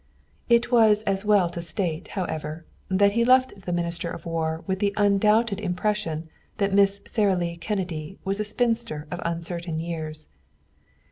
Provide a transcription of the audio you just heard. It is as well to state, however, that he left the Minister of War with the undoubted impression that Miss Sara Lee Kennedy was a spinster of uncertain years.